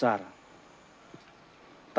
keluarga kami masih tinggal di rumah besar